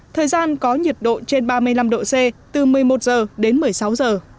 thời gian có nhiệt độ trên ba mươi năm độ c từ một mươi một giờ đến một mươi sáu giờ